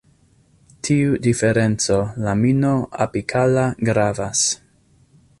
Tiu diferenco lamino-apikala gravas.